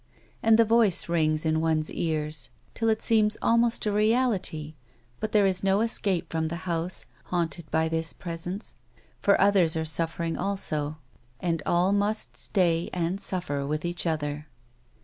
And the voice rings in one's ears till it seems almost a reality, but there is no escape from the house haunted by this presence, for others are suffering also, and all must stay and suffer with each other.